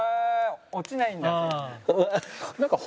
「落ちないんだ」